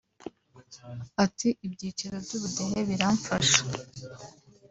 Ati “Ibyiciro by’ubudehe birafasha